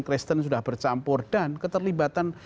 kristen sudah bercampur dan keterlibatan